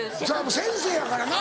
先生やからな。